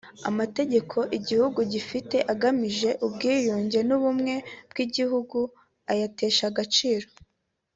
Amategeko igihugu gifite agamije ubwiyunge n’ubumwe bw’igihugu ayatesha agaciro